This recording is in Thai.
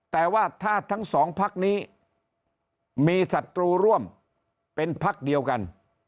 แต่ว่าถ้าทั้งสองพักนี้มีศัตรูร่วมเป็นพักเดียวกัน